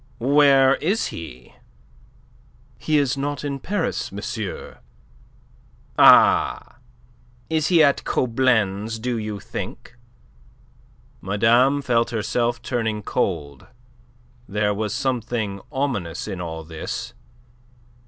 "Where is he?" "He is not in Paris, monsieur. "Ah! Is he at Coblenz, do you think?" Madame felt herself turning cold. There was something ominous in all this.